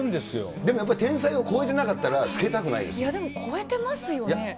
でもやっぱり天才を超えてないやでも超えてますよね。